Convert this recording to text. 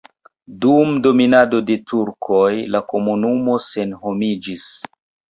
Dum dominado de turkoj la komunumo senhomiĝis.